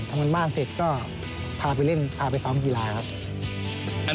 ทำงานบ้านเสร็จก็พาไปเล่นพาไปซ้อมกีฬาครับ